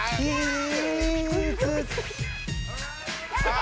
あ！